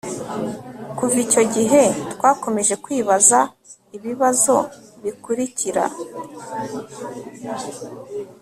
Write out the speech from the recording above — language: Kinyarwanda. kuva icyo gihe twakomeje kwibaza ibibazo bikurikira